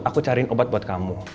aku cariin obat buat kamu